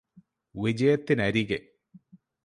വിജയത്തിനരികെ